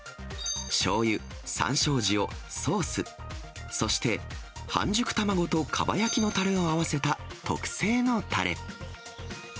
しょうゆ、さんしょう塩、ソース、そして半熟卵とかば焼きのたれを合わせた特製のたれ。